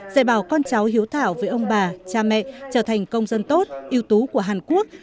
dạy bảo con cháu hiếu thảo với ông bà cha mẹ trở thành công dân tốt yếu tố của hàn quốc